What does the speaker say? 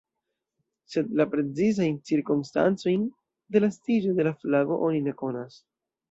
Sed la precizajn cirkonstancojn de la estiĝo de la flago oni ne konas.